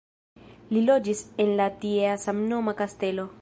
Li loĝis en la tiea samnoma kastelo.